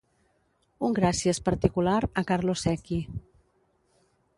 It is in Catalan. Un gràcies particular a Carlo Sechi